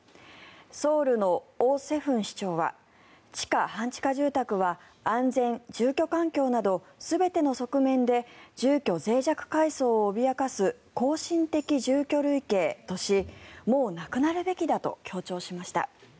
ソウルのオ・セフン市長は地下・半地下住宅は安全・住居環境など全ての側面で住居ぜい弱階層を脅かす後進的住居類型としもうなくなるべきだと強調しました。